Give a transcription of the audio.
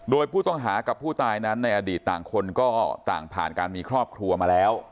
โดยผู้ต้องหากับผู้ตายนั้นในอดีตต่างคนก็ต่างผ่านการมีครอบครัวมาแล้ว